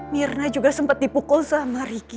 mirna juga sempet dipukul sama ricky